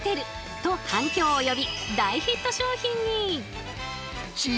と反響を呼び大ヒット商品に。